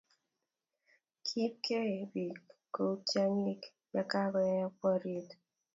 Kiiebegei biik kou tyong'in ya koyaaka boriet